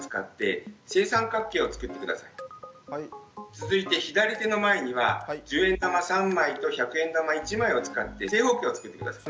続いて左手の前には１０円玉３枚と１００円玉１枚を使って正方形を作って下さい。